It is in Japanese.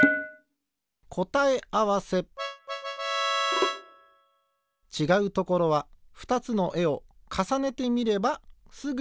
こたえあわせちがうところは２つのえをかさねてみればすぐわかる。